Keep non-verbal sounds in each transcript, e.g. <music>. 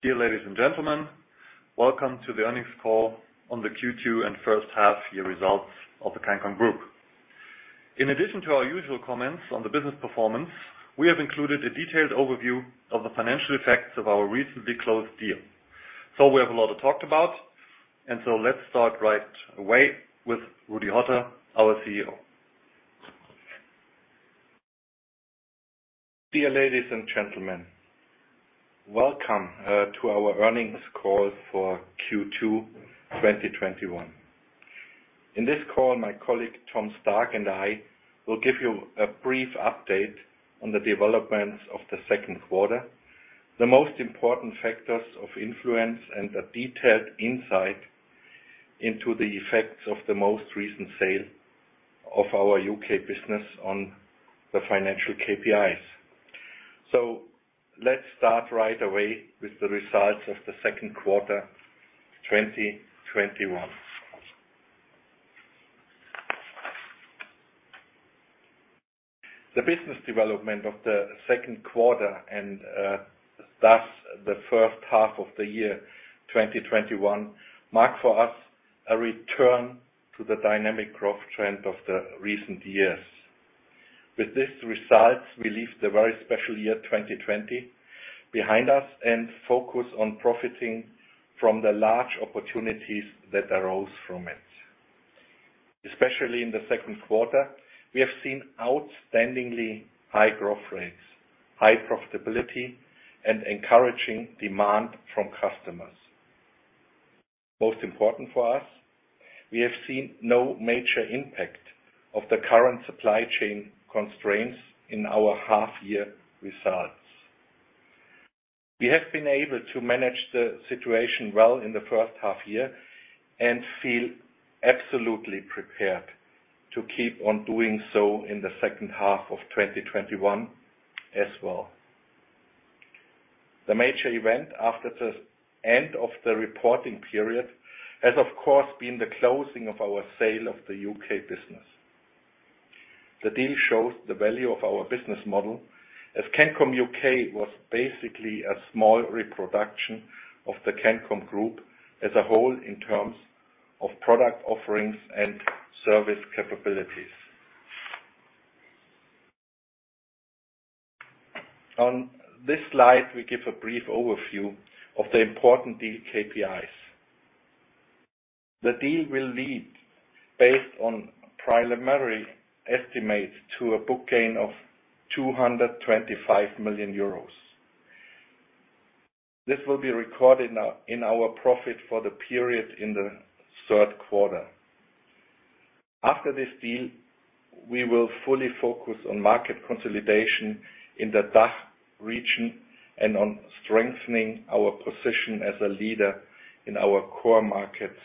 Dear ladies and gentlemen, welcome to the Earnings Call on the Q2 and H1 Year Results of the CANCOM Group. In addition to our usual comments on the business performance, we have included a detailed overview of the financial effects of our recently closed deal. We have a lot to talk about, and so let's start right away with Rudi Hotter, our CEO. Dear ladies and gentlemen, welcome to our Earnings Call for Q2 2021. In this call, my colleague Tom Stark and I will give you a brief update on the developments of the Q2, the most important factors of influence, and a detailed insight into the effects of the most recent sale of our U.K. business the financial KPIs. Let's start right away with the results of the Q2 2021. The business development of the Q2 and, thus, the H1 of the year 2021, mark for us a return to the dynamic growth trend of the recent years. With these results, we leave the very special year 2020 behind us and focus on profiting from the large opportunities that arose from it. Especially in the Q2, we have seen outstandingly high growth rates, high profitability, and encouraging demand from customers. Most important for us, we have seen no major impact of the current supply chain constraints in our half year results. We have been able to manage the situation well in the H1 year and feel absolutely prepared to keep on doing so in the H2 of 2021 as well. The major event after the end of the reporting period has, of course, been the closing of our sale of the U.K. business. The deal shows the value of our business model as CANCOM UK&I was basically a small reproduction of the CANCOM Group as a whole in terms of product offerings and service capabilities. On this slide, we give a brief overview of the important deal KPIs. The deal will lead, based on preliminary estimates, to a book gain of 225 million euros. This will be recorded in our profit for the period in the Q3. After this deal, we will fully focus on market consolidation in the D.A.C.H. region and on strengthening our position as a leader in our core markets.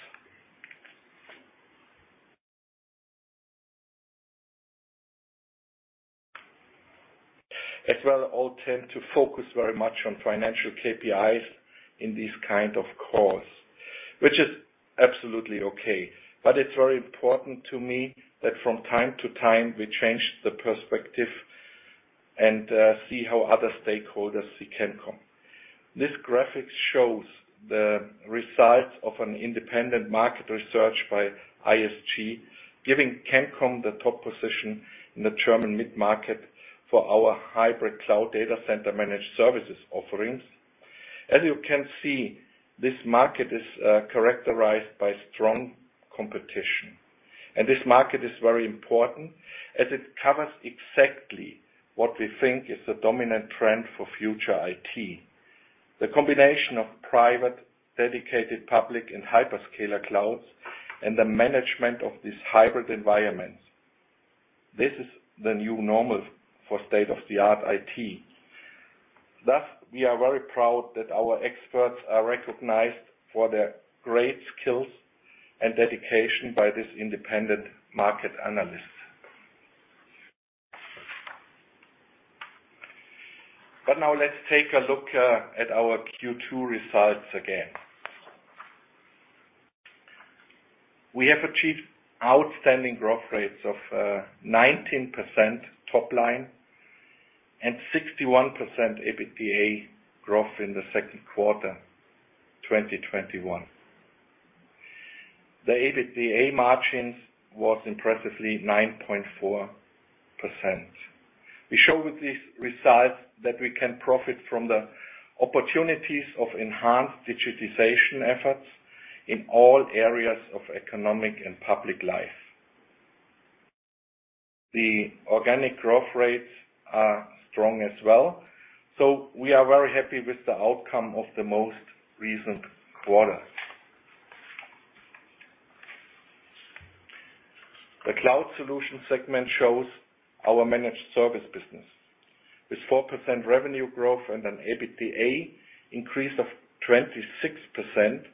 As we all tend to focus very much on financial KPIs in these kind of calls, which is absolutely okay. It's very important to me that from time to time, we change the perspective and see how other stakeholders see CANCOM. This graphic shows the results of an independent market research by ISG, giving CANCOM the top position in the German mid-market for our hybrid cloud data center managed services offerings. This market is characterized by strong competition. This market is very important as it covers exactly what we think is the dominant trend for future IT. The combination of private, dedicated public, and hyperscaler clouds, and the management of these hybrid environments. This is the new normal for state-of-the-art IT. Thus, we are very proud that our experts are recognized for their great skills and dedication by this independent market analyst. Now let's take a look at our Q2 results again. We have achieved outstanding growth rates of 19% top line and 61% EBITDA growth in the Q2 2021. The EBITDA margin was impressively 9.4%. We show with these results that we can profit from the opportunities of enhanced digitization efforts in all areas of economic and public life. The organic growth rates are strong as well. We are very happy with the outcome of the most recent quarter. The Cloud Solutions segment shows our managed service business. With 4% revenue growth and an EBITDA increase of 26%,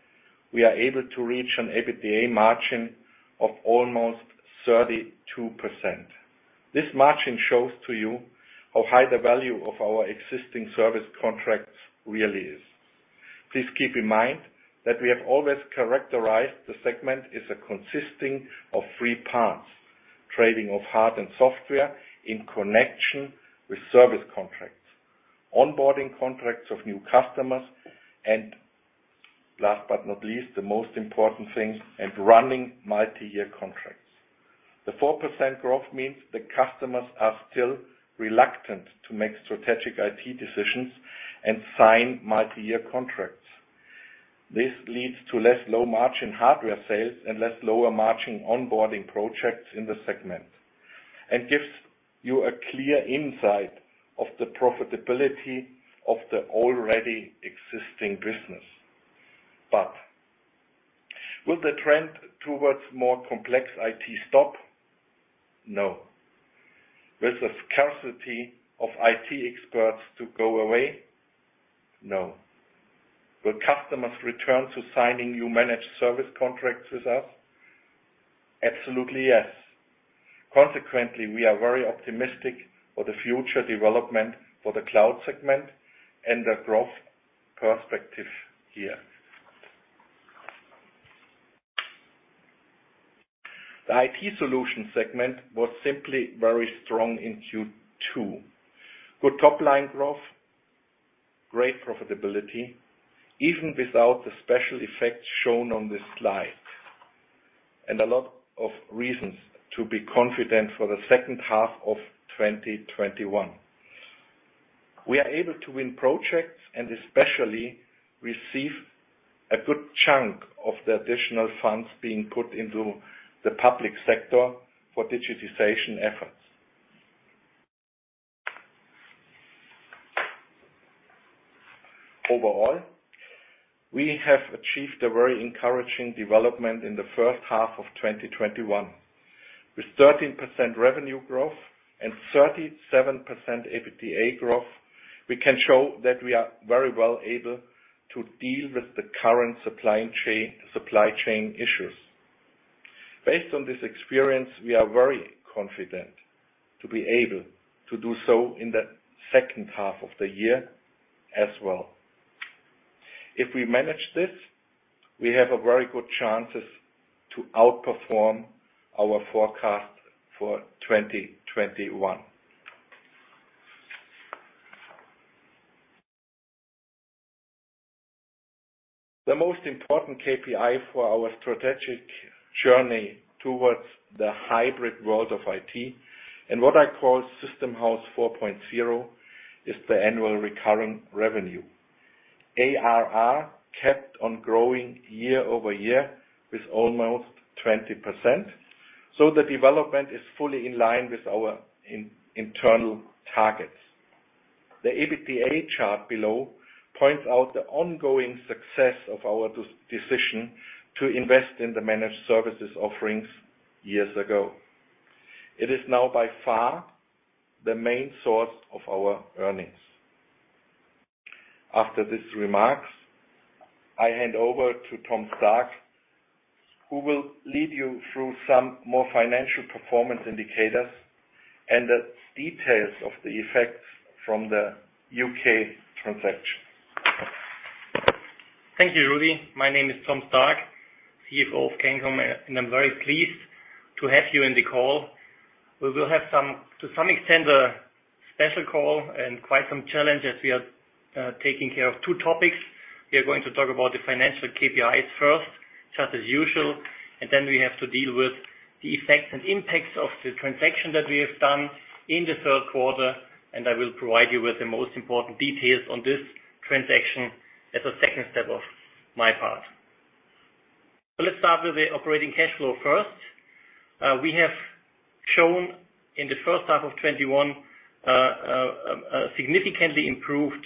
we are able to reach an EBITDA margin of almost 32%. This margin shows to you how high the value of our existing service contracts really is. Please keep in mind that we have always characterized the segment as consisting of three parts: trading of hard and software in connection with service contracts, onboarding contracts of new customers, and last but not least, the most important thing, and running multi-year contracts. The 4% growth means that customers are still reluctant to make strategic IT decisions and sign multi-year contracts. This leads to less low margin hardware sales and less lower margin onboarding projects in the segment, and gives you a clear insight of the profitability of the already existing business. Will the trend towards more complex IT stop? No. Will the scarcity of IT experts go away? No. Will customers return to signing new managed service contracts with us? Absolutely yes. Consequently, we are very optimistic for the future development for the Cloud Solutions segment and the growth perspective here. The IT Solutions segment was simply very strong in Q2. Good top-line growth, great profitability, even without the special effects shown on this slide. A lot of reasons to be confident for the H2 of 2021. We are able to win projects and especially receive a good chunk of the additional funds being put into the public sector for digitization efforts. Overall, we have achieved a very encouraging development in the H1 of 2021. With 13% revenue growth and 37% EBITA growth, we can show that we are very well able to deal with the current supply chain issues. Based on this experience, we are very confident to be able to do so in the second half of the year as well. If we manage this, we have very good chances to outperform our forecast for 2021. The most important KPI for our strategic journey towards the hybrid world of IT and what I call Systemhaus 4.0, is the annual recurring revenue. ARR kept on growing year-over-year with almost 20%. The development is fully in line with our internal targets. The EBITA chart below points out the ongoing success of our decision to invest in the managed services offerings years ago. It is now by far the main source of our earnings. After these remarks, I hand over to Tom Stark, who will lead you through some more financial performance indicators and the details of the effects from the U.K. transaction. Thank you, Rudi. My name is Tom Stark, CFO of CANCOM, and I'm very pleased to have you in the call. We will have, to some extent, a special call and quite some challenges. We are taking care of two topics. We are going to talk about the financial KPIs first, just as usual, and then we have to deal with the effects and impacts of the transaction that we have done in the Q3, and I will provide you with the most important details on this transaction as a second step on my part. Let's start with the operating cash flow first. We have shown in the H1 of 2021, a significantly improved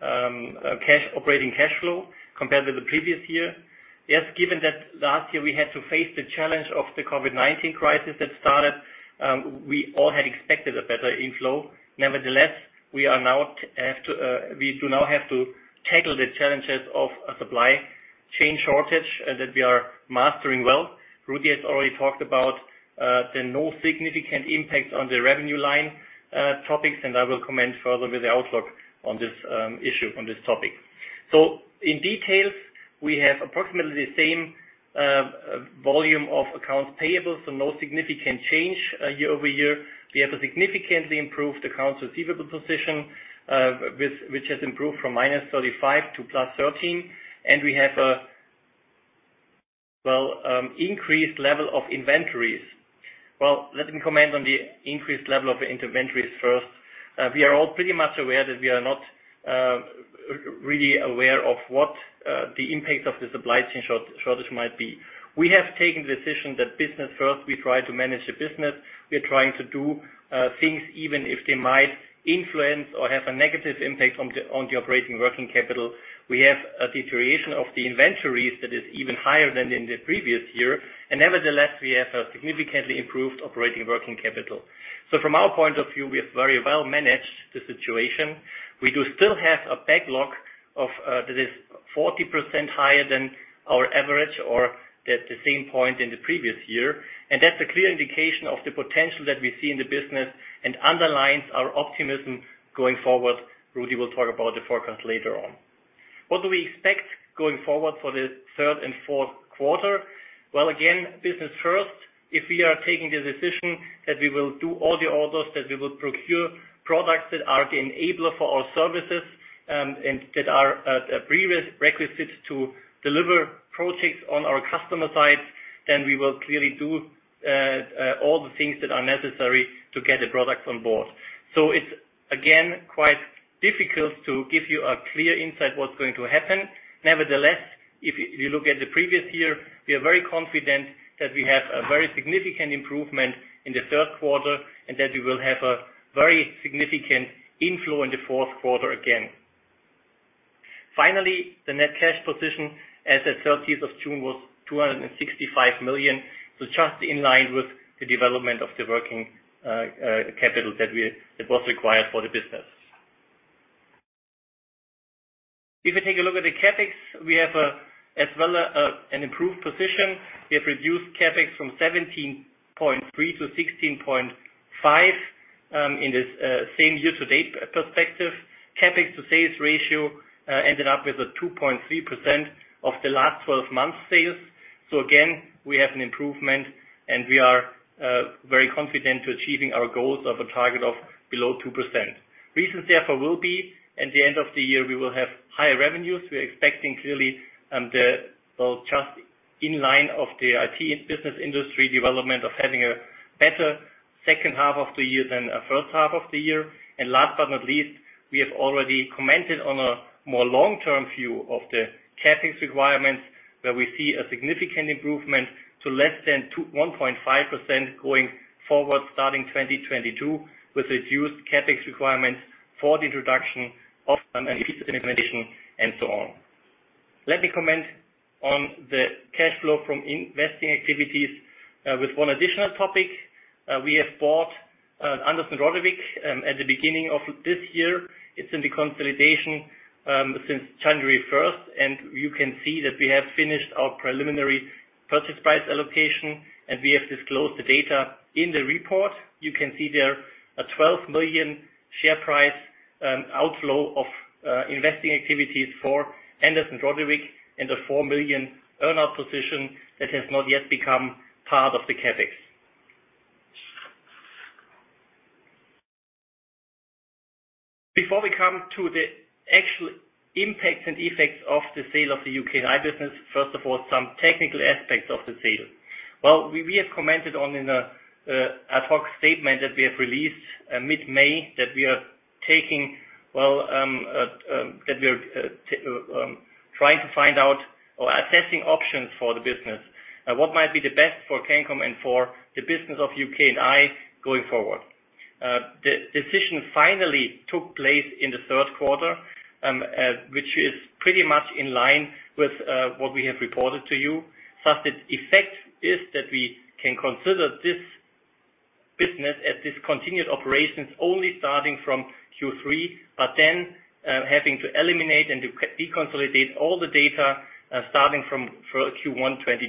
operating cash flow compared with the previous year. Yes, given that last year we had to face the challenge of the COVID-19 crisis that started, we all had expected a better inflow. Nevertheless, we do now have to tackle the challenges of a supply chain shortage that we are mastering well. Rudi has already talked about the no significant impact on the revenue line topics, and I will comment further with the outlook on this topic. In detail, we have approximately the same volume of accounts payable, so no significant change year-over-year. We have a significantly improved accounts receivable position, which has improved from -35 to +13, and we have increased level of inventories. Let me comment on the increased level of inventories first. We are all pretty much aware that we are not really aware of what the impact of the supply chain shortage might be. We have taken the decision that business first, we try to manage the business. We are trying to do things even if they might influence or have a negative impact on the operating working capital. We have a deterioration of the inventories that is even higher than in the previous year, and nevertheless, we have a significantly improved operating working capital. From our point of view, we have very well managed the situation. We do still have a backlog that is 40% higher than our average or at the same point in the previous year, and that's a clear indication of the potential that we see in the business and underlines our optimism going forward. Rudi will talk about the forecast later on. What do we expect going forward for the third and fourth quarter? Again, business first. If we are taking the decision that we will do all the orders, that we will procure products that are the enabler for our services and that are prerequisites to deliver projects on our customer side, then we will clearly do all the things that are necessary to get the product on board. It's, again, quite difficult to give you a clear insight what's going to happen. Nevertheless, if you look at the previous year, we are very confident that we have a very significant improvement in the third quarter and that we will have a very significant inflow in the fourth quarter again. Finally, the net cash position as at 30th of June was 265 million, so just in line with the development of the working capital that was required for the business. If we take a look at the CapEx, we have as well an improved position. We have reduced CapEx from 17.3-16.5 in this same year-to-date perspective. CapEx to sales ratio ended up with a 2.3% of the last 12 months sales. Again, we have an improvement and we are very confident to achieving our goals of a target of below 2%. Reasons therefore will be at the end of the year, we will have higher revenues. We are expecting clearly just in line of the IT business industry development of having a better second half of the year than first half of the year. Last but not least, we have already commented on a more long-term view of the CapEx requirements where we see a significant improvement to less than 1.5% going forward starting 2022, with reduced CapEx requirements for the introduction of <inaudible> and so on. Let me comment on the cash flow from investing activities with one additional topic. We have bought Anders & Rodewyk at the beginning of this year. It's in the consolidation since January 1st and you can see that we have finished our preliminary purchase price allocation and we have disclosed the data in the report. You can see there a 12 million share price outflow of investing activities for Anders & Rodewyk and a 4 million earn-out position that has not yet become part of the CapEx. Before we come to the actual impacts and effects of the sale of the UK&I business, first of all, some technical aspects of the sale. We have commented on in an ad hoc statement that we have released mid-May that we are trying to find out or assessing options for the business and what might be the best for Cancom and for the business of UK&I going forward. The decision finally took place in the third quarter, which is pretty much in line with what we have reported to you. Its effect is that we can consider this business as discontinued operations only starting from Q3, but then having to eliminate and deconsolidate all the data starting from Q1 2020.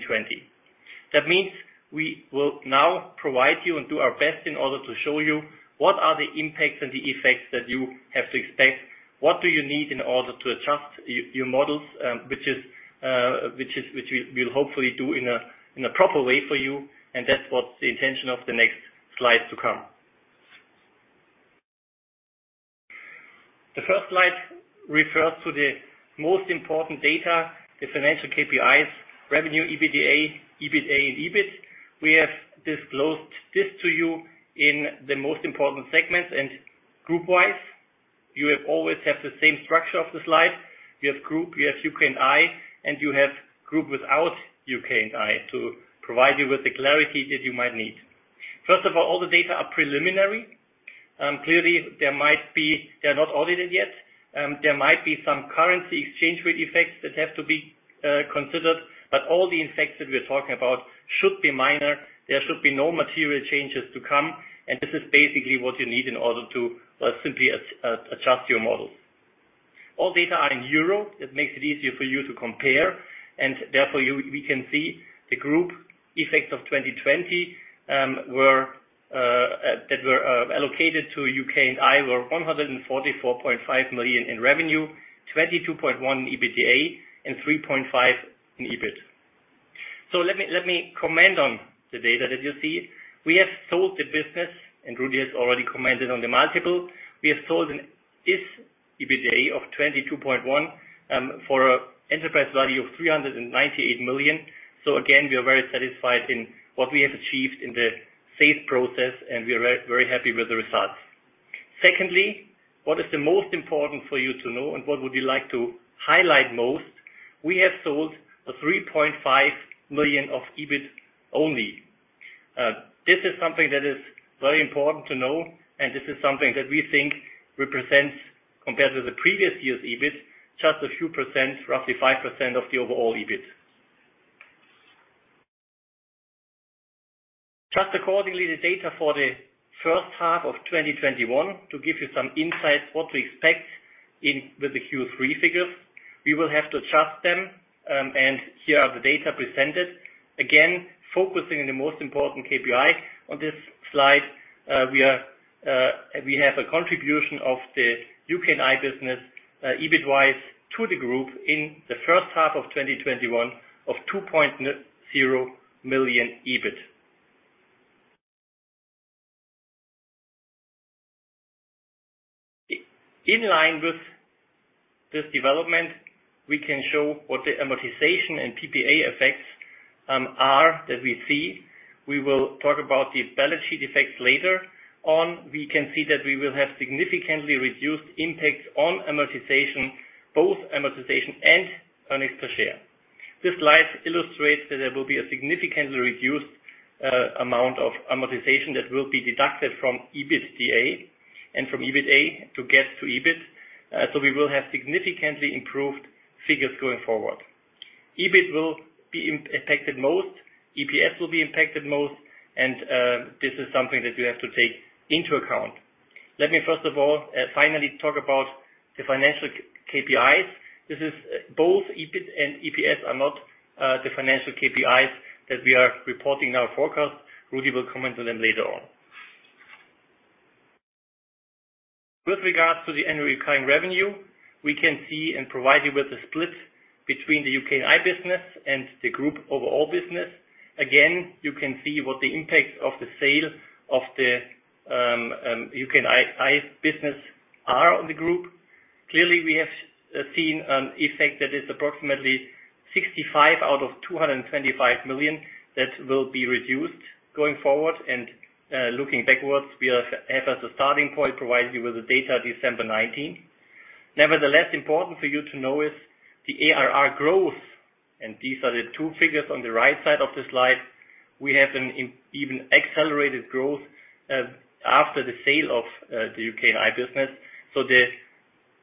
That means we will now provide you and do our best in order to show you what are the impacts and the effects that you have to expect. What do you need in order to adjust your models, which we will hopefully do in a proper way for you and that's what the intention of the next slide to come. The first slide refers to the most important data, the financial KPIs, revenue, EBITDA, and EBIT. We have disclosed this to you in the most important segments and group-wise. You will always have the same structure of the slide. You have group, you have UK&I, and you have group without UK&I to provide you with the clarity that you might need. First of all the data are preliminary. Clearly, they are not audited yet. There might be some currency exchange rate effects that have to be considered. All the effects that we are talking about should be minor. There should be no material changes to come. This is basically what you need in order to simply adjust your models. All data are in EUR. It makes it easier for you to compare. Therefore, we can see the group effects of 2020 that were allocated to UK&I were 144.5 million in revenue, 22.1 in EBITDA, and 3.5 in EBIT. Let me comment on the data that you see. We have sold the business and Rudi has already commented on the multiple. We have sold this EBITDA of 22.1 million for an enterprise value of 398 million. Again, we are very satisfied in what we have achieved in the sales process and we are very happy with the results. What is the most important for you to know and what would we like to highlight most, we have sold 3.5 million of EBIT only. This is something that is very important to know and this is something that we think represents, compared to the previous year's EBIT, just a few percent, roughly 5% of the overall EBIT. Accordingly, the data for the H1 of 2021 to give you some insight what to expect with the Q3 figures. We will have to adjust them and here are the data presented. Again, focusing on the most important KPI on this slide, We have a contribution of the UK&I business, EBIT-wise, to the group in the H1 of 2021 of 2.0 million EBIT. In line with this development, we can show what the amortization and PPA effects are that we see. We will talk about the balance sheet effects later on. We can see that we will have significantly reduced impact on amortization, both amortization and earnings per share. This slide illustrates that there will be a significantly reduced amount of amortization that will be deducted from EBITDA and from EBITA to get to EBIT. We will have significantly improved figures going forward. EBIT will be impacted most, EPS will be impacted most, and this is something that we have to take into account. Let me, first of all, finally talk about the financial KPIs. Both EBIT and EPS are not the financial KPIs that we are reporting in our forecast. Rudi will come into them later on. With regards to the annual recurring revenue, we can see and provide you with the split between the U.K.&I. business and the group overall business. Again, you can see what the impact of the sale of the U.K.&I. business are on the group. Clearly, we have seen an effect that is approximately 65 million out of 225 million that will be reduced going forward and looking backwards. We have, as a starting point, provided you with the data December 2019. Important for you to know is the ARR growth, and these are the two figures on the right side of the slide. We have an even accelerated growth after the sale of the U.K.&I. business. The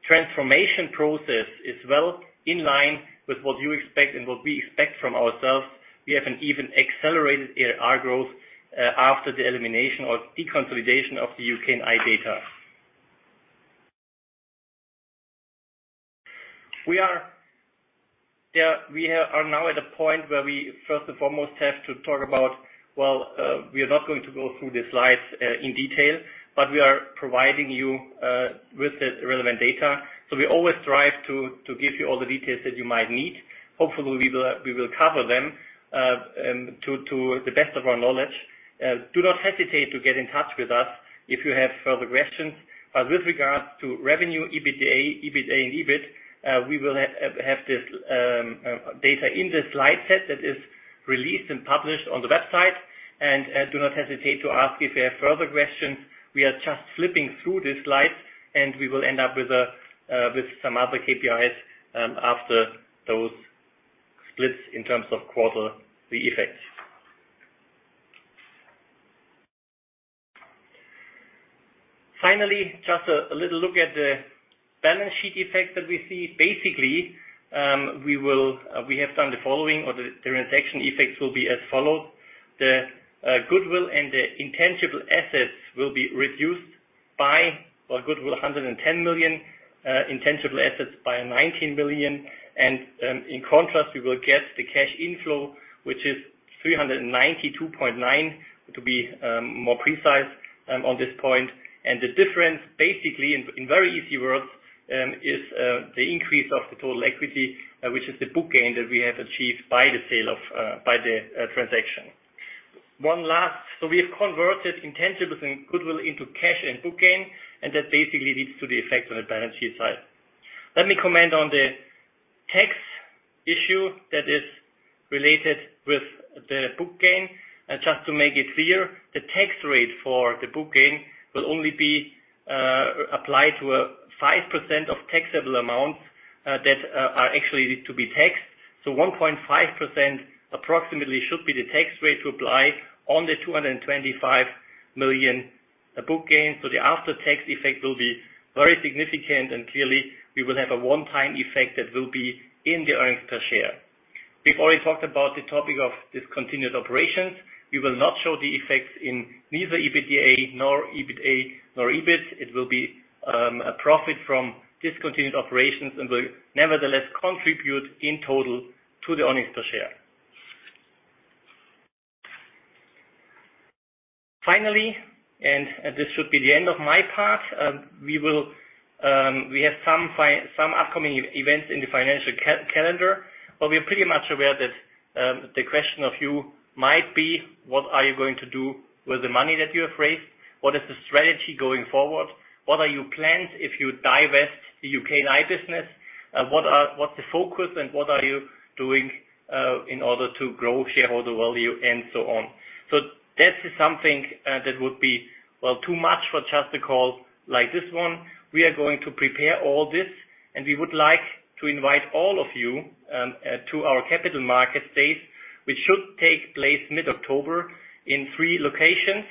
transformation process is well in line with what you expect and what we expect from ourselves. We have an even accelerated ARR growth after the elimination or deconsolidation of the UK&I data. We are now at a point where we first and foremost have to talk about, well, we are not going to go through the slides in detail, but we are providing you with the relevant data. We always strive to give you all the details that you might need. Hopefully, we will cover them to the best of our knowledge. Do not hesitate to get in touch with us if you have further questions. With regards to revenue, EBITDA, EBITA and EBIT, we will have this data in the slide set that is released and published on the website, and do not hesitate to ask if you have further questions. We are just flipping through these slides, and we will end up with some other KPIs after those splits in terms of quarter, the effects. Just a little look at the balance sheet effect that we see. We have done the following, the transaction effects will be as follows. The goodwill and the intangible assets will be reduced by, well, goodwill 110 million, intangible assets by 19 million. In contrast, we will get the cash inflow, which is 392.9 million, to be more precise on this point. The difference, basically, in very easy words, is the increase of the total equity, which is the book gain that we have achieved by the transaction. We have converted intangibles and goodwill into cash and book gain, and that basically leads to the effect on the balance sheet side. Let me comment on the tax issue that is related with the book gain. Just to make it clear, the tax rate for the book gain will only be applied to a 5% of taxable amount that are actually to be taxed. 1.5% approximately should be the tax rate to apply on the 225 million book gain. The after-tax effect will be very significant, and clearly, we will have a one-time effect that will be in the earnings per share. We've already talked about the topic of discontinued operations. We will not show the effects in neither EBITDA, nor EBITA, nor EBIT. It will be a profit from discontinued operations and will nevertheless contribute in total to the earnings per share. Finally, and this should be the end of my part, we have some upcoming events in the financial calendar. We are pretty much aware that the question of you might be, "What are you going to do with the money that you have raised? What is the strategy going forward? What are your plans if you divest the UK&I business? What's the focus and what are you doing in order to grow shareholder value and so on?" That is something that would be, well, too much for just a call like this one. We are going to prepare all this, and we would like to invite all of you to our Capital Markets Day, which should take place mid-October in three locations.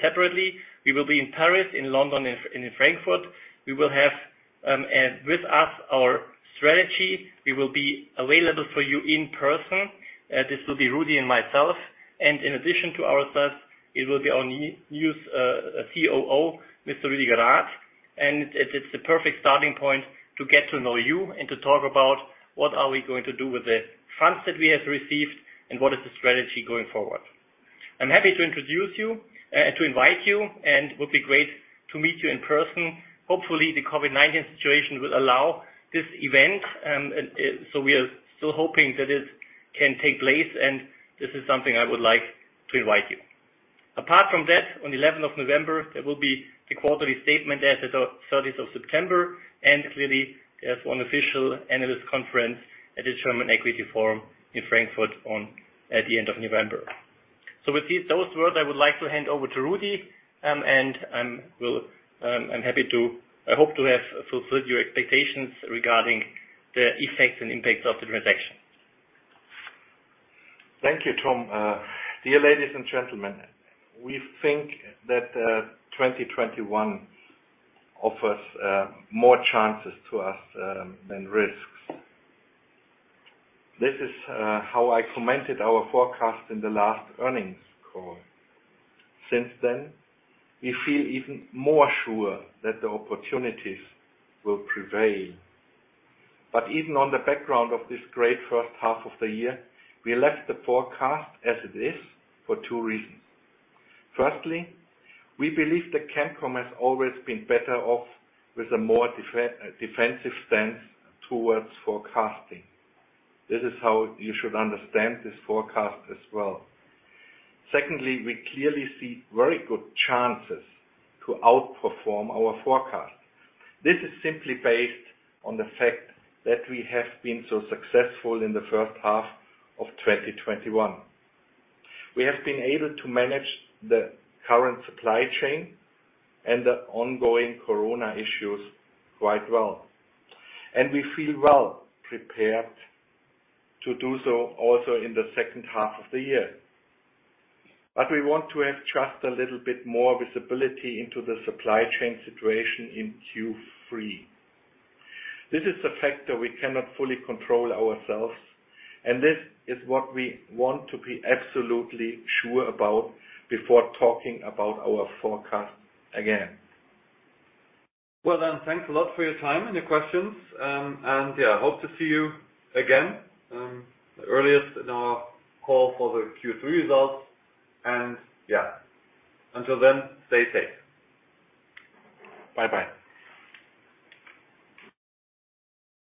Separately, we will be in Paris, in London, and in Frankfurt. We will have with us our strategy. We will be available for you in person. This will be Rudi and myself. In addition to ourselves, it will be our new COO, Mr. Ruediger Rath. And it's the perfect starting point to get to know you and to talk about what are we going to do with the funds that we have received and what is the strategy going forward. I'm happy to invite you, and it would be great to meet you in person. Hopefully, the COVID-19 situation will allow this event. We are still hoping that it can take place, and this is something I would like to invite you. Apart from that, on the 11th of November, there will be the quarterly statement as at 30th of September, and clearly there's one official analyst conference at the German Equity Forum in Frankfurt at the end of November. With those words, I would like to hand over to Rudi, and I hope to have fulfilled your expectations regarding the effects and impacts of the transaction. Thank you, Tom. Dear ladies and gentlemen, we think that 2021 offers more chances to us than risks. This is how I commented our forecast in the last earnings call. Since then, we feel even more sure that the opportunities will prevail. Even on the background of this great first half of the year, we left the forecast as it is for two reasons. Firstly, we believe that Cancom has always been better off with a more defensive stance towards forecasting. This is how you should understand this forecast as well. Secondly, we clearly see very good chances to outperform our forecast. This is simply based on the fact that we have been so successful in the H1 of 2021. We have been able to manage the current supply chain and the ongoing COVID-19 issues quite well. We feel well prepared to do so also in the H2 of the year. We want to have just a little bit more visibility into the supply chain situation in Q3. This is a factor we cannot fully control ourselves. This is what we want to be absolutely sure about before talking about our forecast again. Thanks a lot for your time and your questions. Hope to see you again, the earliest in our call for the Q3 results. Until then, stay safe. Bye-bye.